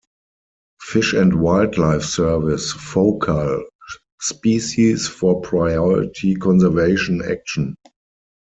Fish and Wildlife Service focal species for priority conservation action.